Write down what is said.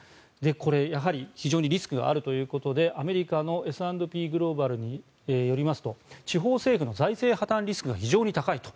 これ、やはり非常にリスクがあるということでアメリカのＳ＆Ｐグローバルによりますと地方政府の財政破たんリスクが非常に高いと。